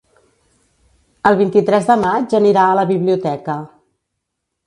El vint-i-tres de maig anirà a la biblioteca.